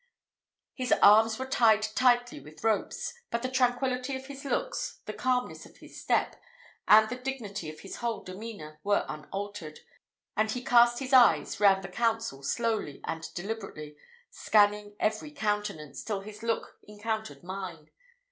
His arms were tied tightly with ropes, but the tranquillity of his looks, the calmness of his step, and the dignity of his whole demeanour were unaltered; and he cast his eyes round the council slowly and deliberately, scanning every countenance, till his look encountered mine.